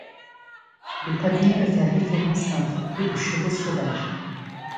Le taboun peut faire référence à un troupeau de chevaux sauvages.